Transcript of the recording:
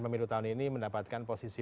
pemilu tahun ini mendapatkan posisi